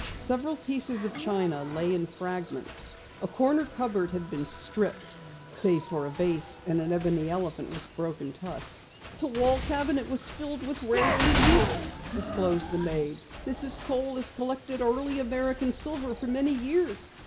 Several pieces of china lay in fragments. A corner cupboard had been stripped, save for a vase and an ebony elephant with a broken tusk. "The wall cabinet was filled with rare antiques," disclosed the maid. "Mrs. Kohl has collected Early American silver for many years.